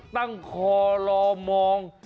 ตั้งคอรอมอง